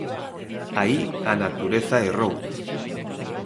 Aí a natureza errou.